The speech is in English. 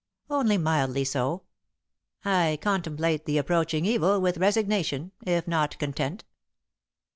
"Only mildly so. I contemplate the approaching evil with resignation, if not content."